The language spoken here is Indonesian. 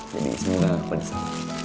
jadi disini gak pedesan